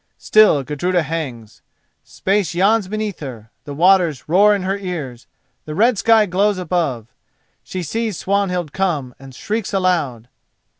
Still Gudruda hangs. Space yawns beneath her, the waters roar in her ears, the red sky glows above. She sees Swanhild come and shrieks aloud.